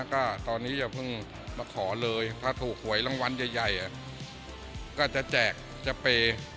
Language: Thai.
ก็ตอนนี้อย่าเพิ่งมาขอเลยถ้าถูกหวยรางวัลใหญ่ก็จะแจกจะเปย์